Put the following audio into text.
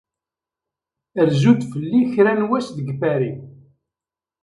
Rzu-d fell-i kra n wass deg Paris.